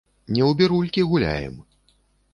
Не ў бірулькі гуляем.